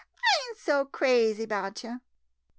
I ain' so crazy 'bout yo' !